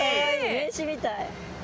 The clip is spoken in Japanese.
名刺みたい。